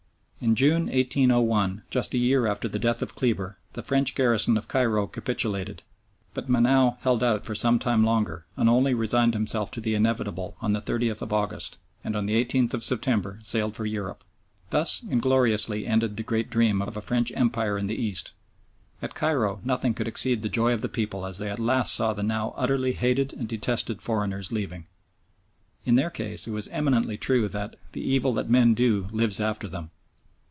In June, 1801, just a year after the death of Kleber, the French garrison of Cairo capitulated, but Menou held out for some time longer, and only resigned himself to the inevitable on the 30th of August, and on the 18th of September sailed for Europe. Thus ingloriously ended the great dream of a French Empire in the East. At Cairo nothing could exceed the joy of the people as they at last saw the now utterly hated and detested foreigners leaving. In their case it was eminently true that "the evil that men do lives after them."